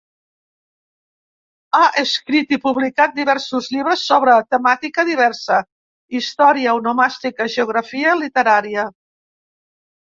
Ha escrit i publicat diversos llibres sobre temàtica diversa: història, onomàstica, geografia literària.